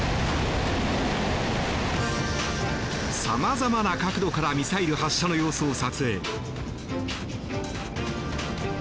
様々な角度からミサイル発射の様子を撮影。